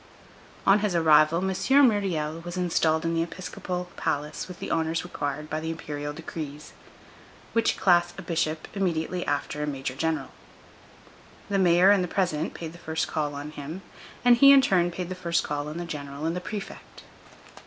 On his arrival, M. Myriel was installed in the episcopal palace with the honors required by the Imperial decrees, which class a bishop immediately after a major general. The mayor and the president paid the first call on him, and he, in turn, paid the first call on the general and the prefect.